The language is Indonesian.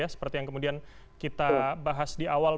seperti yang kemudian kita bahas di awal